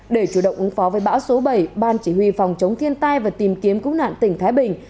để chủ động ứng phó với bão số bảy ban chỉ huy phòng chống thiên tai và tìm kiếm cứu nạn tỉnh thái bình